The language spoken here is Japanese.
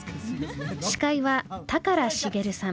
司会は高良茂さん。